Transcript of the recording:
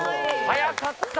速かった。